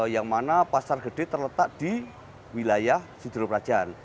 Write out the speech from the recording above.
yang mana pasar gede terletak di wilayah sudiro prajan